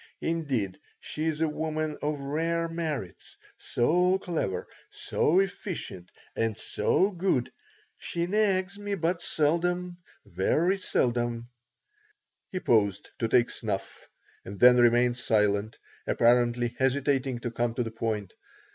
Indeed, she is a woman of rare merits, so clever, so efficient, and so good. She nags me but seldom, very seldom." He paused to take snuff and then remained silent, apparently hesitating to come to the point.